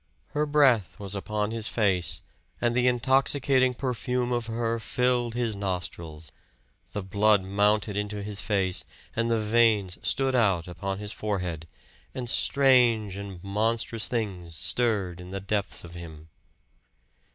Her breath was upon his face, and the intoxicating perfume of her filled his nostrils. The blood mounted into his face, and the veins stood out upon his forehead, and strange and monstrous things stirred in the depths of him.